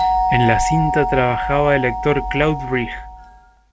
En la cinta trabajaba el actor Claude Rich.